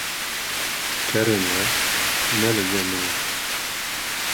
kerên we ne li cem min in.